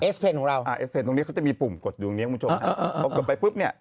เอสเพลงของเราอ่าเอสเพลงตรงนี้เขาจะมีปุ่มกดอยู่ตรงเนี้ยคุณผู้ชม